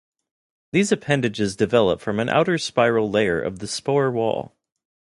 These appendages develop from an outer spiral layer of the spore wall.